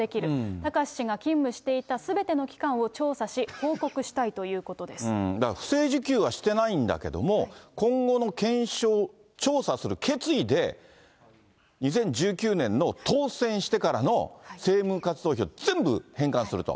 貴志氏が勤務していたすべての期間を調査し、だから、不正受給はしていないんだけれども、今後の検証、調査する決意で、２０１９年の当選してからの政務活動費を全部返還すると。